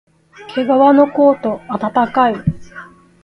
けがわのコート、あたたかい